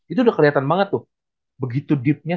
itu udah kelihatan banget tuh begitu deepnya